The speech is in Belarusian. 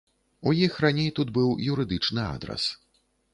У іх раней тут быў юрыдычны адрас.